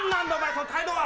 その態度は。